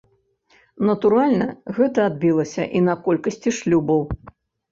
Натуральна, гэта адбілася і на колькасці шлюбаў.